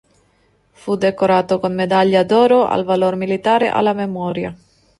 Fu decorato con Medaglia d'oro al valor militare alla memoria.